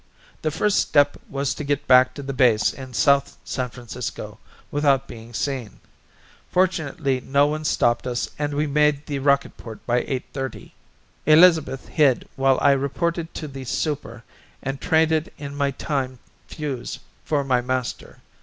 The first step was to get back to the base in South San Francisco without being seen. Fortunately no one stopped us and we made the rocketport by 8:30. Elizabeth hid while I reported to the Super and traded in my time fuse for my master.